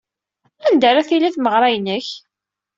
Anda ara d-tili tmeɣra-inek?